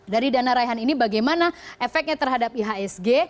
dari dana raihan ini bagaimana efeknya terhadap ihsg